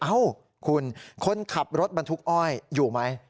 เอ้าคุณคนขับรถบรรทุกอ้อยอยู่ไหม